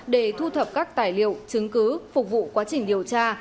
để thu thập các tài liệu chứng cứ phục vụ quá trình điều tra